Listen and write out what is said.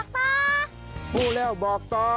พูดแล้วบอกต่อ